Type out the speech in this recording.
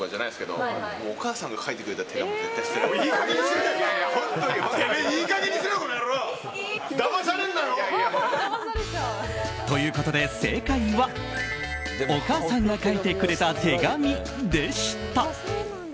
正解は。ということで正解はお母さんが書いてくれた手紙でした。